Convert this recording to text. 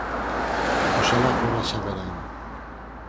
Oxalá fora xa verán.